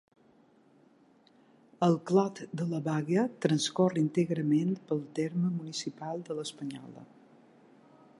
El Clot de la Baga transcorre íntegrament pel terme municipal de l'Espunyola.